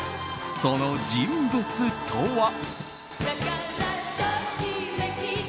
その人物とは？